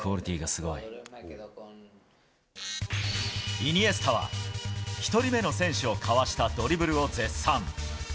イニエスタは１人目の選手をかわしたドリブルを絶賛。